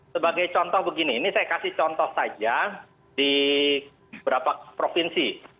sebagai contoh begini ini saya kasih contoh saja di beberapa provinsi